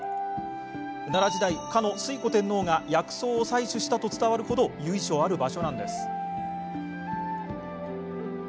奈良時代、かの推古天皇が薬草を採取したと伝わる程由緒ある場所なんです。